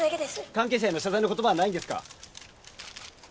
関係者への謝罪の言葉はないんですか？